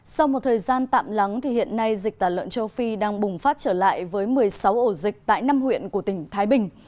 sau một thời gian tạm lắng thì hiện nay dịch tả lợn châu phi đang bùng phát trở lại với một mươi sáu ổ dịch tại năm huyện của tỉnh thái bình